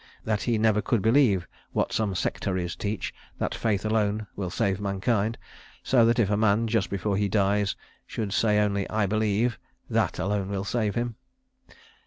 That he never could believe what some sectaries teach, that faith alone will save mankind; so that if a man, just before he dies, should say only "I believe," that alone will save him.